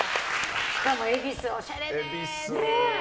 しかも恵比寿、おしゃれね。